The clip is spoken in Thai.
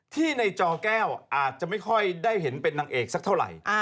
ในจอแก้วอาจจะไม่ค่อยได้เห็นเป็นนางเอกสักเท่าไหร่